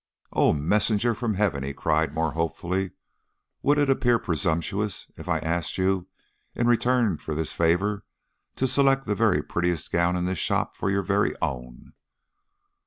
"O messenger from Heaven!" he cried, more hopefully. "Would it appear presumptuous if I asked you, in return for this favor, to select the very prettiest gown in this shop for your very own?"